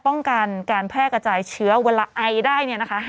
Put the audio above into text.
ป้องกันการแพทย์กระจายเชื้อเวลาไอได้๕๖